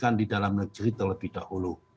makan di dalam negeri terlebih dahulu